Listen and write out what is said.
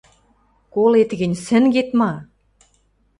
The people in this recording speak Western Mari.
— Колет гӹнь, сӹнгет ма?